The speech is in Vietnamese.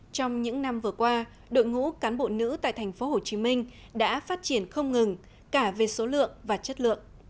trong những năm vừa qua đội ngũ cán bộ nữ tại tp hcm đã phát triển không ngừng cả về số lượng và chất lượng